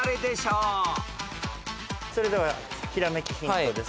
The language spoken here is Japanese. それではひらめきヒントです。